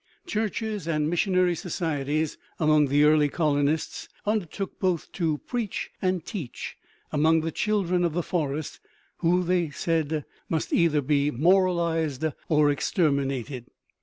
Churches and missionary societies among the early colonists undertook both to preach and teach among the children of the forest, who, said they, "must either be moralized or exterminated."